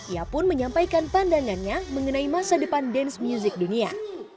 ia pun menyampaikan pandangannya mengenai masa depan dance music dunia